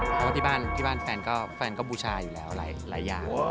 เพราะว่าที่บ้านแฟนก็บูชาอยู่แล้วหลายอย่าง